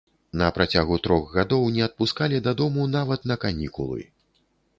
На працягу трох гадоў не адпускалі дадому, нават на канікулы.